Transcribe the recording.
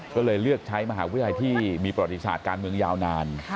ก็เลยเลือกใช้มหาวิทยาลัยที่มีประวัติศาสตร์การเมืองยาวนาน